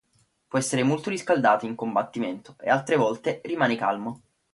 Può essere molto riscaldato in un combattimento, e altre volte rimane calmo.